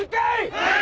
はい！